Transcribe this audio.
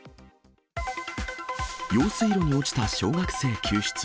用水路に落ちた小学生救出。